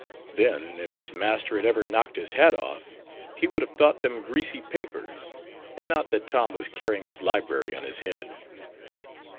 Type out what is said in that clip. Then if his master had ever knocked his hat off he would have thought them greasy papers, and not that Tom was carrying his library on his head.